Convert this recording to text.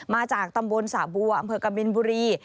มาจากตำบลสระบัวอำเภอกบินบุรี